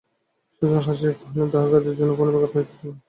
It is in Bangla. সুচেতসিংহ হাসিয়া কহিলেন, তাহার জন্য কাজের কোনো ব্যাঘাত হইতেছে না।